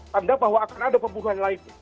tanda bahwa akan ada pembunuhan lainnya